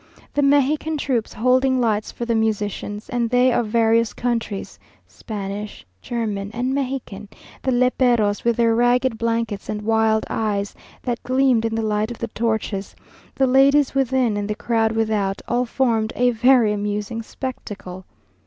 The Mexican troops holding lights for the musicians, and they of various countries, Spanish, German, and Mexican; the léperos, with their ragged blankets and wild eyes, that gleamed in the light of the torches; the ladies within, and the crowd without, all formed a very amusing spectacle.